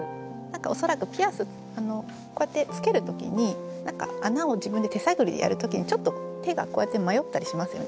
恐らくピアスこうやってつける時に穴を自分で手探りでやる時にちょっと手がこうやって迷ったりしますよね。